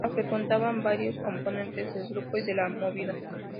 La frecuentaban varios componentes del grupo y de la Movida.